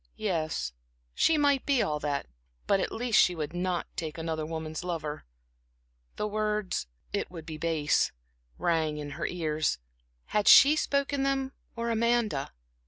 Yes, she might be all that; but at least she would not take another woman's lover. The words "it would be base," rang in her ears. Had she spoken them, or Amanda?